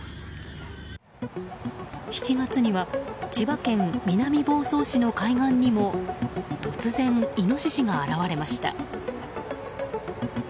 ７月には千葉県南房総市の海岸にも突然、イノシシが現れました。